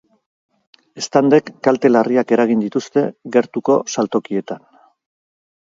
Eztandek kalte larriak eragin dituzte gertuko saltokietan.